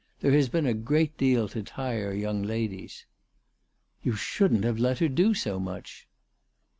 There has been a great deal to tire young ladies." " You shouldn't have let her do so much."